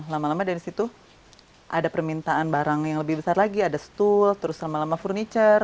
lama lama dari situ ada permintaan barang yang lebih besar lagi ada stul terus lama lama furniture